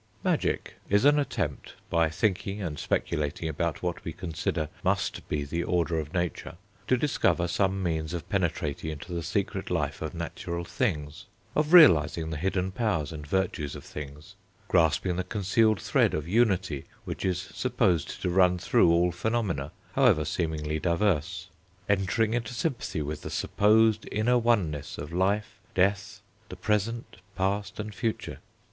Magic is an attempt, by thinking and speculating about what we consider must be the order of nature, to discover some means of penetrating into the secret life of natural things, of realising the hidden powers and virtues of things, grasping the concealed thread of unity which is supposed to run through all phenomena however seemingly diverse, entering into sympathy with the supposed inner oneness of life, death, the present, past, and future.